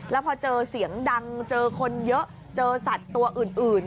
แล้วพอเจอเสียงดังเจอคนเยอะเจอสัตว์ตัวอื่น